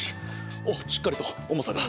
おっしっかりと重さが。